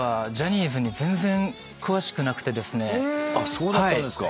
そうだったんですか。